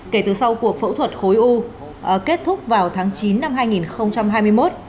kể từ sau cuộc phẫu thuật khối u kết thúc vào tháng chín năm hai nghìn hai mươi một